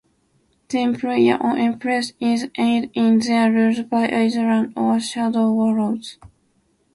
The Emperor or Empress is aided in their rule by Izmalis or Shadow Warriors.